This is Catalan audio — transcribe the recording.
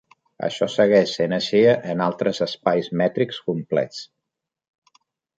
Això segueix sent així en altres espais mètrics complets.